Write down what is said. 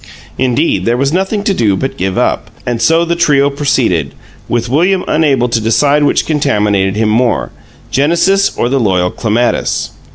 Indeed, there was nothing to do but to give up, and so the trio proceeded, with William unable to decide which contaminated him more, Genesis or the loyal Clematis.